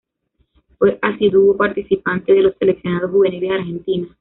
Fue asiduo participante de los seleccionados juveniles de Argentina.